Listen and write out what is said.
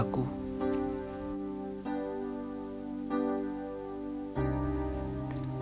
apakah ini semuanya kebetulan